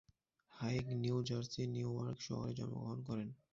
হাইগ নিউ জার্সির নিউআর্ক শহরে জন্মগ্রহণ করেন।